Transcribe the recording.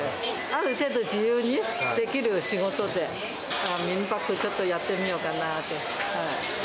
ある程度、自由にできる仕事で、だから民泊、ちょっとやってみようかなと。